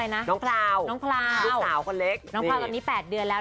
น้องพร้าว